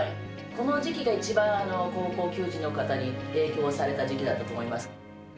この時期が一番、高校球児の方に影響された時期だったと思います。